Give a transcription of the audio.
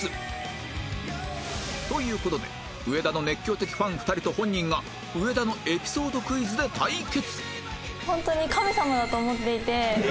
という事で上田の熱狂的ファン２人と本人が上田のエピソードクイズで対決